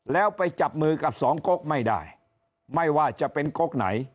แล้วไปจับมือกับสองกกไม่ได้ไม่ว่าจะเป็นก๊กไหน